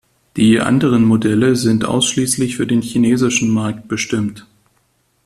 Die anderen Modelle sind ausschließlich für den chinesischen Markt bestimmt.